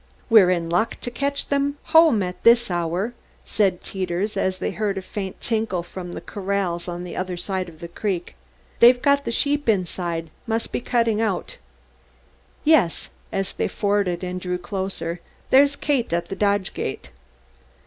"We're in luck to catch them home at this hour," said Teeters, as they heard a faint tinkle from the corrals on the other side of the creek. "They've got the sheep inside must be cuttin' out. Yes," as they forded and drew closer, "there's Kate at the dodge gate."